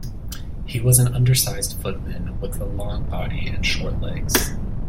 He was an undersized footman, with a long body and short legs.